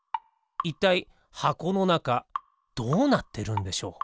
いったいはこのなかどうなってるんでしょう？